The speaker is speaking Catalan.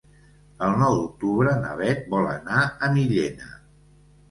El nou d'octubre na Bet vol anar a Millena.